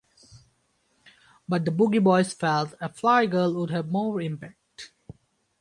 But the Boogie Boys felt "A Fly Girl" would have more impact.